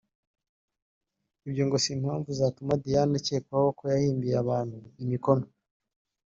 Ibyo ngo si impamvu zatuma Diane akekwaho ko yahimbiye abantu imikono